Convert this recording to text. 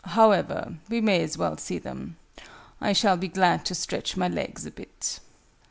However, we may as well see them. I shall be glad to stretch my legs a bit."